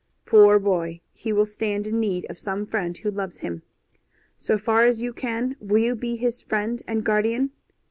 Poor boy, he will stand in need of some friend who loves him. So far as you can, will you be his friend and guardian?